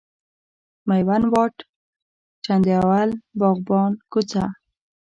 میوند واټ، چنداول، باغبان کوچه،